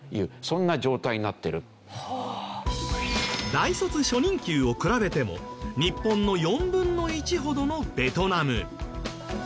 大卒初任給を比べても日本の４分の１ほどのベトナム。